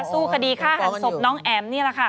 สู้คดีฆ่าหันศพน้องแอ๋มนี่แหละค่ะ